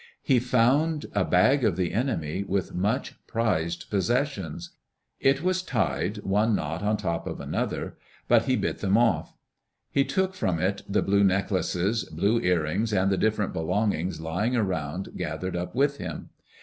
He found a bag of the enemy, with much prized possessions. It was tied one knot on top of another, but he bit them off. He took from it the blue necklaces, blue earrings, and the different belongings lying around gathered up with him.